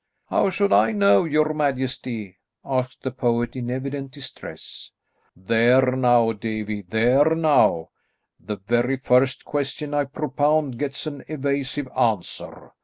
"How should I know, your majesty?" asked the poet in evident distress. "There now, Davie, there now! The very first question I propound gets an evasive answer.